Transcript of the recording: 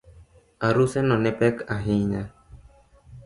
Aruseno ne pek ahinya